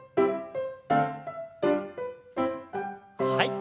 はい。